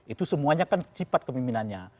itu semuanya kan sifat kemimpinannya